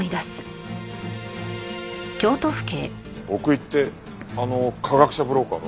奥居ってあの科学者ブローカーの？